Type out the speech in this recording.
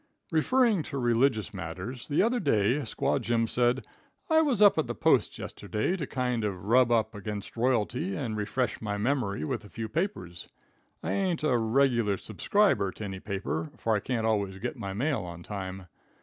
Referring to religious matters, the other day, Squaw Jim said: "I was up at the Post yesterday to kind of rub up against royalty, and refresh my memory with a few papers. I ain't a regular subscriber to any paper, for I can't always get my mail on time.